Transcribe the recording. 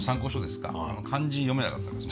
あの漢字読めなかったです。